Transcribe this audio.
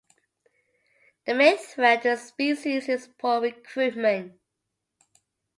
The main threat to the species is poor recruitment.